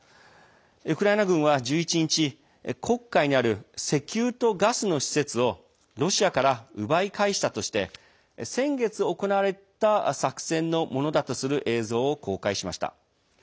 ウクライナ軍は１１日黒海にある石油とガスの施設をロシアから奪い返したとして先月行われた作戦のものだとする映像を公開しました。